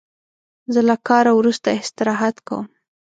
زه له کاره وروسته استراحت کوم.